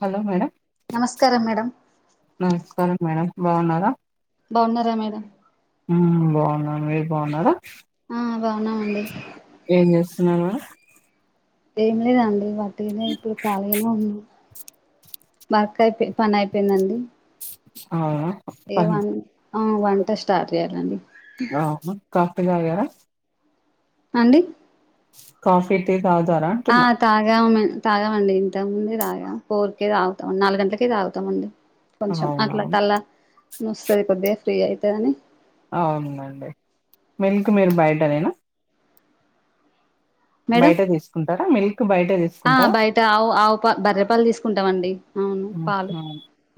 Hello madam నమస్కారం madam నమస్కారం madam బాగున్నారా బాగున్నారా మేడం ఉమ్ బాగున్నాను మీరు బాగున్నారా ఆ బాగునామండి ఏం చేస్తున్నారు ఏం లేదండి వాట్టిగనే ఇప్పుడు ఖాళగానే ఉన్నా వర్క్ అయిపోయి పనయిపోయిందండి అఆ ఏ వన్ ఆ వన్ంట స్టార్ట్ చేయాలండి అవ్న కాఫీ తగర అండి కాఫీ తి ఆ తాగామె తాగమండి ఇంతకు ముందే తాగా ఫోర్కే తాగుతాం నాలుగు గంటలకే తాగుతామండి కొంచం అట్ల అవునవును తల్లా నుస్తది కొద్దిగా ఫ్రీ అయితదని అవునండి మిల్క్ మీరు బయట నేనా మేడం బయట తీసుకుంటరా మిల్క్ బయట ఆ తీసుకుంటరా బయట ఆవు ఆవు పా బర్రె పాలు తీసుకుంటామండి అవును పాలు ఉహుం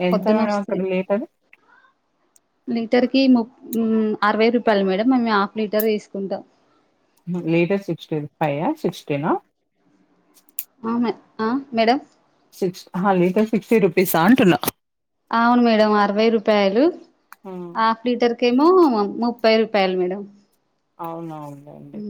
ఎంత మరి అక్కడ లీటరు లి టర్ కి ముప్ మ్ అరవై రూపాయల్ మేడం మేమే హాఫ్ లీటర్ తీసుకుంటాం లీటర్ సిస్టీ ఫైవ సిక్స్టీనా అమే ఆ మేడం సిక్స్ ఆహా లీటర్ సిక్స్టీ రూపీస అంటున్నా అవును మేడం అరవై రూపాయలు ఉమ్, హాఫ్ లీటర్ కేమో ముప్పై రూపాయలు మేడం అవునవునండి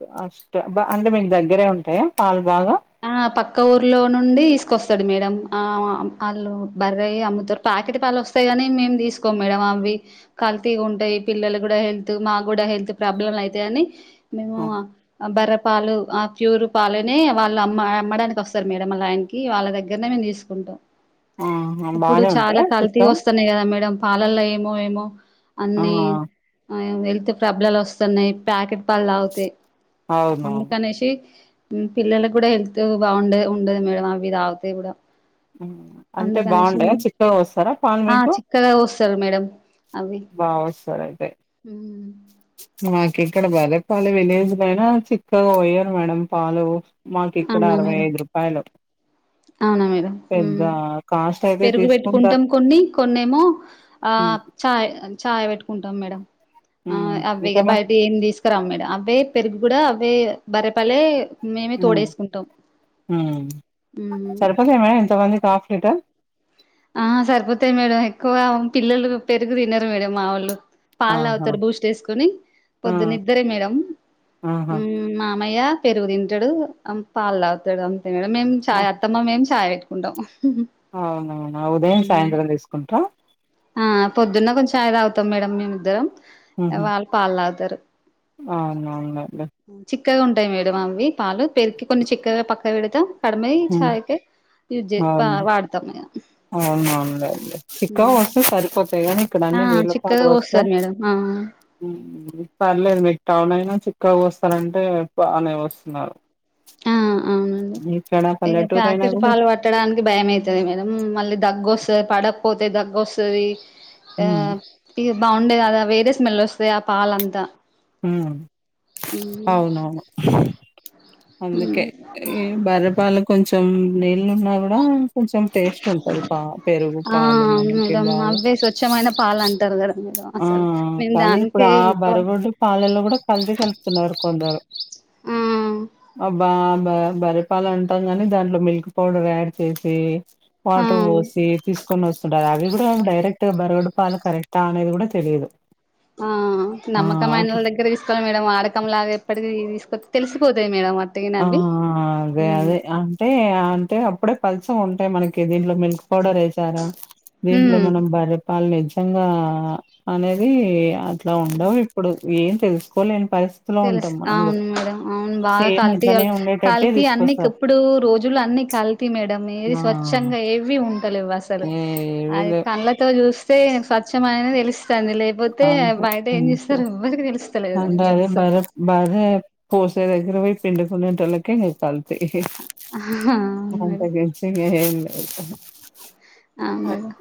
కాష్ట్ అంటే మీకు దగ్గరే ఉంటాయా పాల్ బాగా ఆ పక్క ఊర్లో నుండి తీసుకొస్తాది మేడం ఆమా ఆళ్ళు బర్రాయే అమ్ముతరు పా పాకిట్ పల్ ఒస్తయ్ గాని మేం తీసుకోం మేడ అవి కల్తి ఉంటయ్ పిల్లలు కూడా హెల్త్ మా కూడా హే హెల్త్ ప్రాబ్లెమ్లైతయని మేము అ బర్రె పాలు ఆ ప్యూర్ పాలనే వాళ్ళ అం మా అమ్మడానికి వస్తారు మేడం మా లైన్ కి వాళ్ళ దగ్గరనే మేము తీసుకుంటం ఆహా! ఇప్పుడు బానే చాలా ఉంటాయా కల్తి చిక్కగా? వస్తున్నాయి కదా మేడం పాలల్లో ఏమో ఏమో ఆ! అన్ని హెల్త్ ప్రబ్లాలు వస్తున్నాయి ప్యాకెట్ పాల్ తగుతే అవునవును. అందుకనేశి ఉమ్ పిల్లలక్ కుడ హెల్త్ త్ బాగుండది ఉండది మేడం అవి తాగుతే కూడ మ్ అంటే బాగుండయా చిక్కగా వస్తారా పాల్ ఆ మీకు చిక్కగా పోస్తారు మేడం అవి బాగ్ వస్తదైతే ఉమ్, మాక్ ఇక్కడ బరెపాలు విలేజ్ లోయినా చిక్కగా పోయారు మేడం పాలు మాక్ ఇక్కడ అవునా అరవై మేడం ఐదు రూపాయలు అవునా మేడం మ్ కాస్ట్ అయితే పెరుగు తీసుకుంటారు. పెట్టుకుంటాం కొన్ని కొన్నిమో ఆ హ్మ్. ఆప్ చాయ్ చాయ్ పెట్టుకుంటం మేడం ఆ హ్మ్. ఆవే ఇగ ఎంతమ బైటియ్ ఎం తీస్ రా మేడ అవే పెరుగు కూడా అవే బరెపలలే మేమే తోడేస్ మ్ మ్మ్ సరిపోతయా మేడం ఇంతమందిక్ ఆఫ్ లీటర్ ఆ సరిపోతాయి మేడం ఎక్కువ పిల్లలు పెరుగు తినరు మేడం మా ఒళ్ళు పాల్ ఆహా! తగుతార్ బూస్ట్ ఎస్కోని ఆ! పొద్దు నిద్దరే మేడం ఆహా! ఉమ్ మ మ్మయ్య పెరుగు తింటాడు అం పాల్ తాగుతాడు అంతే మేము ఆ! చాయ్ అత్తమ్మ మేం చాయ్యే కుంట ఉహ్ అవునవునా ఉదయం సాయంత్రం తీసుకుంట్ర ఆ పొద్దున్న కొంచం చాయ్ తాగుతాం మేడం మేమిద్దరం వాళ్ళు పాలు తాగుతరు అవునవునులేండి క్కగా ఉంటాయి మేడం అవి పాలు పెరుక్కి కొన్ని చిక్కగా పక్కకి పెడతా కడమెయి హ్మ్. చాయికి యూజ్ వా వాడతాం మే అవునవును లేండి చిక్కగా వస్తె సరి పోతాయి కానీ ఇక్కడ ఆ అన్ని నీళ్లపాలు చిక్కగా పోస్తే పోస్తారు మేడం ఆ మ్మ్ కు పర్లేదు మీకు టౌన్ అయినా చిక్కగా పోస్తారంటే బానే పోస్తున్నారు ఆ అవునండి మీ ఇగ ప్యాకెట్ పాలు పట్టడానికి భయమయితది మేడం మళ్ళీ దగ్గు వస్తది పడ పోతే దగ్గు వస్తది ఆ హ్మ్ ఇ బాగుండేది కదా వేరే స్మెల్ వస్తాయి ఆ పాలంతా మ్మ్ అవునవును అందుకే ఈ బర్రెపాలే కొంచెం నీళ్లు పోసిన కూడా కొంచెం టేస్ట్ ఉంటది పా పెరుగు ఆ పాలు మనకి బాగా వాళ్ళు అంటారు కదా మేడం ఆ అసలు మేము కానీ ఇప్పుడు దానికే ఆ ఇంకో బరగుడ్డు పాలల్లో కూడా కల్తీ కలుపుతున్నారు కొందరు ఆ అబ్బా బా బర్రె పాలు అంటాం గాని దాంట్లో మిల్క్ పౌడర్ యాడ్ చేసి ఆ వాటర్ పోసి తీసుకొని వస్తుంటారు అవి కూడా డైరెక్ట్గా బరుగొడ్డు పాలు కరెక్టా అనేది కూడా తెలీదు ఆ అట్లా నమ్మకంమైనోళ్ళ దగ్గర తీసుకోవాలి మేడం వాడకంలాగా ఎప్పటికి తీసు తెలిసిపోతాయి మేడమ్ ఆ అదే అదే అంటే అంటే అప్పుడే ప సో ఉంటాయి మనకి దీంట్లో మిల్క్ పౌడర్ వేసారా దీంట్లో ఉమ్ మనం బర్రె పాలే ఎచ్ నిజంగా అనేది అట్లా ఉమ్ ఉండవు ఇప్పుడు ఏం తెలుసుకోలే తెలుసు అవును మేడం అవును బాగా సేమ్ కల్పి అట్లనే కల్ ఉండేటట్టే కల్తీ అన్నికి తీసుకొస్తారు. ఇప్పుడు రోజులు అన్ని కల్తీ మేడం ఏది ఆ! స్వచ్ఛంగా ఏవి ఉన్ టలేవు అసలు ఏవి అది లేవు. కళ్లతో చూస్తే స్వచ్చమైన తెలుస్ స్తాంది లేకపోతే అంతే. బయట ఏం అంతే. చేస్తారు ఎవ్వరికి తెలుస్తలేదు ననుస బర్రె పోసే దగ్గర పోయి పిండుకునేటోళ్ళకే తేల్వాలి ఆహా! అవును మేడం అంతకి మించి ఇంగేం ల్యా ఆ మేడమ్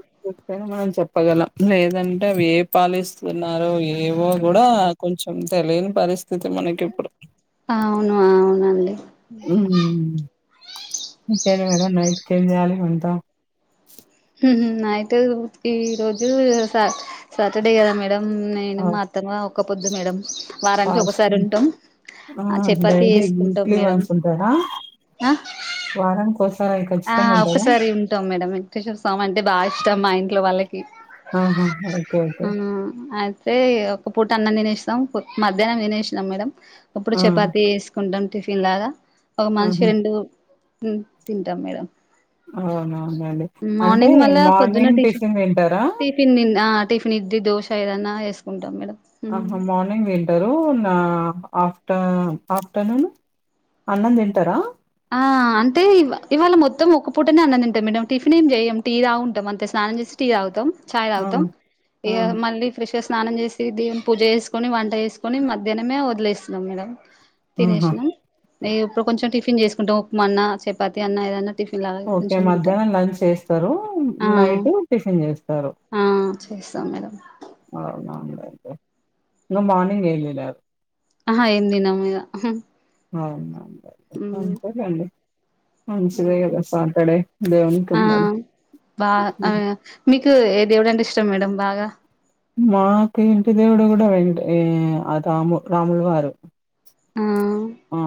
[unintelligible] మనం చెప్పగలం లేదంటే అవి ఏ పాలిస్తున్నారు ఏవో కూడా కొంచెం తెలియని పరిస్థి స్థితి మనకి ఇప్పుడు అవును అవునండి మ్మ్ ఇంకేం మేడం నైట్ కి ఏం చెయ్యాలి వంట మ్మ్ నైట్ ఈ రోజు సా సాటర్డే కదా మేడం మ్మ్ నేను ఆ! మాత్రమే ఒక్కపోద్దు మేడం వారానికి ఒకసారి ఫాస్టింగ్ ఉంటాం ఆ చపాతి డైలీ చేసుకుంటాం వీక్లీ మేడం వన్స్ ఉంటారా ఆ వారానికి ఒకసారి అవి ఆ ఖచ్చితంగా ఉంటారా ఒక్కసారి ఉంటాం మేడమ్ వెంకటేశ్వర స్వామి అంటే బాగా ఇష్టం మా ఇంట్లో వాళ్ళ కి ఆహా ఓకే ఓకే అవునా అద్ తే ఒక పూట అన్నం తినేస్తాం పో మధ్యాహ్నం తినేసినాం మేడం ఇప్పుడు ఆ చపాతి చేసుకుంటాం టిఫిన్ లాగా ఒక మనిషి ఆహా రెండు తింటాం మేడం తి అవునవునండి అంటే మార్నింగ్ మళ్ళా పొద్దున్న మార్నింగ్ టిఫిన్ తింటారా నిద్ది దోశ ఏదైన్నా వేదన ఏ సుకుంటామ్ మెడం ఆహా మార్నింగ్ వింటారు నా ఆఫ్టర్నూన్ ఆఫ్టర్నూన్ అన్నంతింటారా ఆ అంటే ఇవాళ మొత్తం ఒక్క పూటనే అన్నదింటాయి మేడంమ్ టిఫిన్ ఏం చేయం టీ రాాగుంటాం అంతే స్నానం చేసి టీ తాగుతాం చాయ్ ఆ! తాగుతం ఆ! ఇగ మం వి ఫే షే స్ స్నానం చేసి ది యింపూజ చేేసుకొని వంట వేసుకొని మధ్యాహ్నమే వదిలేస్తున్నాం మేడం ఆహా! తినేసినాం న ఇప్పుడు కొంచెం టిఫిన్ చేసుకుంటాం ఉప్మా అన్న చపాతి అన్న ఏదన్నా టిఫిన్ లాగా ఓకే కొంచెం తింటాం మధ్యాహ్నం లంచ్ చేస్తారు ఆ నైట్ టిఫిన్ చేస్తారు ఆ చేస్తాం మేడంమ్ అ మ ముల్‌ ఆ తెమార్నింగ్ అయి అ ఆహ ఏం త నా మీద [inaudible] మంచిదే కదా! సాటర్‌డే దేవునికి [inaudible] ఆ ఉన్నాడు. బా ఆ హ్మ్. మి టు ఏది ఎవడంటె ఇష్టం మేడం బాగా మాకు ఇంటి దేవుడు కూడా వెంట రాము రాములు వారు ఆ ఆ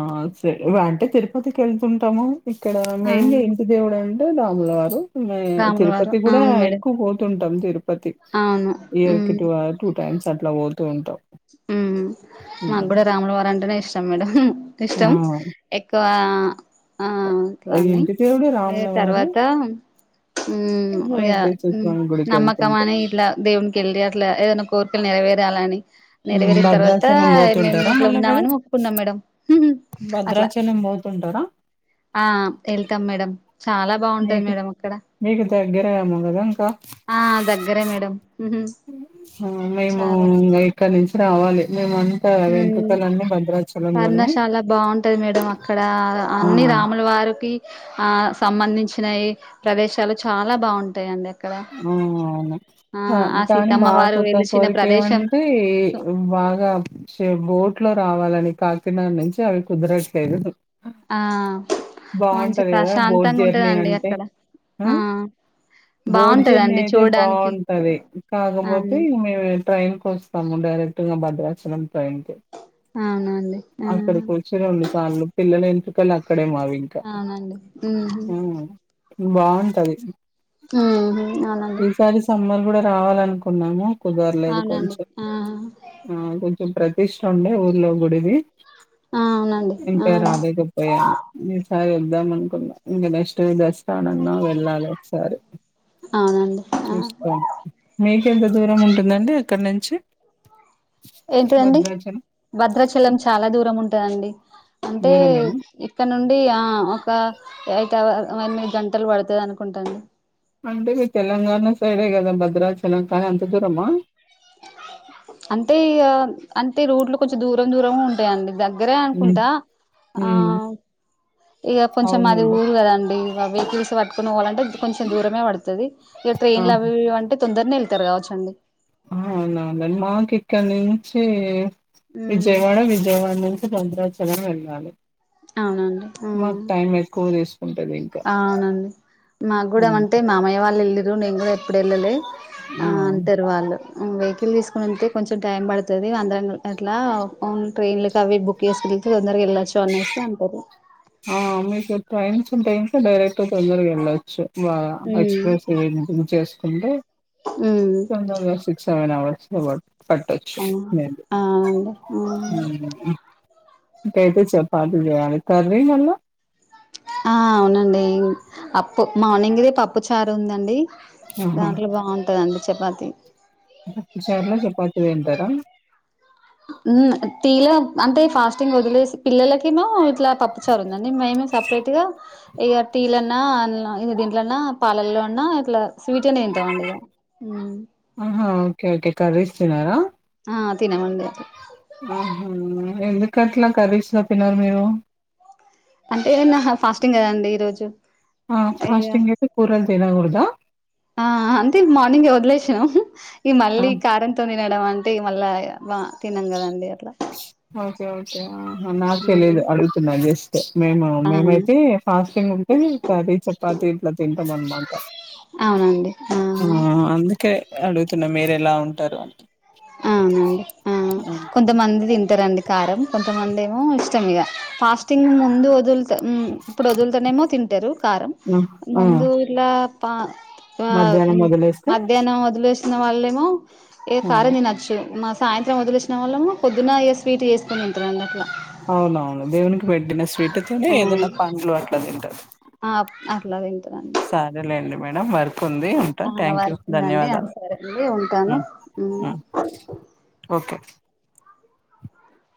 సరే అంటే తిరుపతికి వెళ్తుంటాము ఇక్కడ మెయిన్ గా ఆ ఏంటి దేవుడు అంటే అమళవారు మ రాముల వారు తిరుపతి కూడా అవును మేడం ఎక్కువ పోతుంటాం తిరుపతి అవును ఇయర్ కి టూ టైమ్స్ అట్లా పోతూ ఉంటావు ఉమనాకు కూడా రాములవారు అంటేనే ఇష్టం మేడం ఆ! ఇష్టం ఎక్కువ ఆ అట్లా అని ఇంటి దేవుడు రాములవారు, మేతర్వాత ఉఅయ వెంకటేశ్వర స్వామి నమ్మకమ్ గుడికెళ్తుంటాం. మ ఇట్లా దేవుని కెళ్డి అట్లా ఏదైనా కోరు నెరవేరాలని హ్మ్. నెరవేరిన తర్వాత భద్రాచలం మేము పోతుంటారా ఇట్లా మళ్ళా మీరు? ఉన్నామని ఒప్పుకున్నాం మేడం అట్లా ఉంటారా ఆ వెళ్తాం మేడం చాలా బాగుంటది మేడ అక్కడ దగ్గరము కదా ఇంకా ఆ దగ్గరే మేడం మేము చాలా ఇం ఇక్కడి నుంచి రావాలి వెంతతుకల్ అన్ననే బంద కర్ణశాల బాగుంటది మేడం అక్కడ అన్ని ఆ! రాముల వారికి ఆ సంబంధించి దీయి ప్రదేశాలు చాలా బాగుంటాయిడి అ అవునా ఆ కానీ మా సీతమ్మ వారు కుక్క వెలిచిన కోరిక ప్రదేశం ఏమంటే సో వ బాగా షె బోట్ లో రావాలని కాకినాడ నుంచి అవి కుదరట్లేదు ఆ మంచి బాగుంటది కదా బోర్ర్ ప్రశాంతంగా జర్నీ ఉంటదండి అంటే అక్కడ ఆ బోడ్జన్ బాగుంటదండి అయితే చూడడానికి బాగుంటది కాకపోతే అవును మే ట్రైన్ కి వస్తము డైరక్ట్ భద్రాచలం [inaudible] ట్రె ని కె అవునండి ఆ అక్కడికి వచ్చి రెండు సార్లు పిల్లల ఎంటికలు అక్క మావి ఇంకా అవునండి ఉహు బాగుంటది ఉహు అవునండి ఈసారి సమ్మర్ కూడా రావాలనుకున్నాము కుదరలేదు అవునండి కొంచెం ఆ ఆ కొంచెం ప్రతిష్ట ఉండే ఊర్లో గుడివి అవునండి ఆ ఇంకా రాలెదు ప్పయ ను ఇ సా యిల్ ద్దాం అనుకున్నా ఇంకా నెక్స్ట్ విదష్టానన్నా వెళ్ళాలి ఒకసారి అవునండి ఆ చూసుకోడి మీకెంత దూరం ఉంటుందండి అక్కడ నుంచి ఏంటిదండి భద్రాచలం భద్రాచలం చాలా దూరం ఉంటదండి అంటే దూరమేనా ఇక్కడ నుండి అడి ఆ ఒక యిట్ ఎనిమిది గంటలు పడుతుంది అనుకుంటాండి అంటే మీరు తెలంగాణ సైడే గదా భద్రా చెలం కానీ అంత దూరమా అంటే అంటే రోడ్లు కొంచెం దూరం దూరం ఉంటాయండి దగ్గ దగ్గరే ఉమ్ అనుకుంటా ఆ ఉమ్ ఇగ కొంచెం మాది అవునండి ఊరు కదండి ఇగా వెహికల్స్ పట్టుకుని పోవాలంటే కొంచెం దూరమే పడుతుంది ఇగా ఆహా ట్రైన్లు అవి ఇవి అంటే తొందరని ఎళతారు కావచ్చండి అవునవునండి మాకు ఇక్కడ నుంచి ఉమ్ విజయవాడ విజయవాడ ను భద్రాచలం వెళ్ళాలి అవునండి మాకు టైం ఎక్కువ తీసు అ అవునండి మాకు హ్మ్. గూడామంటే మా మయ్య వాళ్ళు ఎళ్ళిరు నేను గూడా ఎప్పుడు ఎళ్ళలే అ ఆ అంటారు వాళ్ళు వెహికల్ తీసుకునింటే కొంచెం టైం పడతది అందరం అట్లాన్ ట్రైన్లకి అవి బుక్ చేసు తొందరగా ఎళ్ళొచ్చు అనేస్తే అంటారు ఆ మీకు ట్రైన్స్ ఉంటే డైరెక్ట్ తొందరగా ఎళ్ళొచ్చు వా ఉమ్ ఎక్స్ప్రెస్ బుక్ చేసుకుంటే ఉమ్ తొందరగా సిక్స్ సెవెన్ అవర్స్ స పట్టొచ్చు మెబి ఆ అవునండి మ్ ఇకైతే చెపాతీ చేయాలి కర్రీ మళ్ళ ఆ అవునండి అప్పు మార్నింగ్ది పప్పు చారు ఉందండి ఆహా దాంట్లో బాగుంటదండి చపాతి పప్పు చార్లో చపాతి తింటారా టి లో అంటే ఫాస్టింగ్ వదిలేసి పిల్లలకి ఏమో ఇట్లా పప్పుచారు ఉందండి మేము సపరేట్ గా ఇగా టీలన్నా దీంట్లన్నా పాలల్లో అన్నా ఇట్లా స్వీట్ అనే తింటాం అండి ఇగా ఆహా ఓకే ఓకే కర్రీస్ తీనరా ఆ తినమండ అయితే ఆహ ఎందుకట్లా కర్రీస్ లో తినరు మీరు అంటే నా ఫాస్టింగ్ కదండి ఈ రోజు ఆ అయ్య ఫాస్టింగ్ అయితే కూరలు తినకూడదా అ అంత మార్నింగ్ వదిలేసి ఈ ఆ! మళ్ళీ కారంతో తినడం అంటే ఈ మళ్ళా తిన్నాం గదండి అట్లా ఓకే ఓకే అ నాకు తెలిదు అడుగుతున్నా జస్ట్ మేము ఆ మేమైతే ఫాస్టింగ్ ఉంటే కర్రీ చపాతి ఇట్లా తింటాం అనమాట ఆ అందుకే అడుగుతున్న మీరు ఎలా ఉంటారు అ అవునండి ఆ కొంతమంది తింటారండి కారం కొంతమంది ఏమో ఇష్టం ఇగా ఫాస్టింగ్ ముందు వదులుత ఇప్పుడు వదులతోనేమో తింటరు కారం ఆ ఆ, ముందు ఇలా పా ఆ మధ్యాహ్నం వదిలేస్తే మధ్యాహ్నం వదిలేసిన వాళ్ళేమో ఏ ఆ కారం తినచ్చు మా సాయంత్రం వదిలిసిన వాళ్ళము పొద్దున్న స్వీట్ చేసుకోని తింటారు అండి అట్లా అవునవును దేవునికి పెట్టిన స్వీట్ తిని ఏదైనా పండ్లు అట్లా తింటారు ఆ అట్లా తింటారండి సరేలేండి మేడం వర్క్ ఉంది ఉంటా ఆ థ్యాంక్యూ వర్క్ ఉందండి ఆ ధన్యవాదాలు సరే అండి అ ఉంటాను ఓకే